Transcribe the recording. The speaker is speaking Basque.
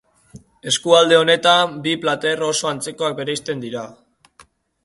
Eskualde honetan bi plater oso antzeko bereizten dira.